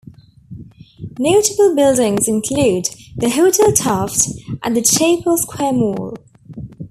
Notable buildings include the Hotel Taft and the Chapel Square Mall.